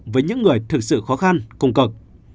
với những người thực sự khó khăn cùng cực